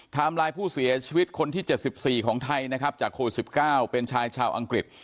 ทำลายผู้เสียชีวิตคนที่เจ็ดสิบสี่ของไทยนะครับจากโควิดสิบเก้าเป็นชายชาวอังกฤษ